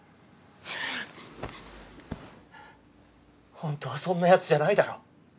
本当はそんな奴じゃないだろ。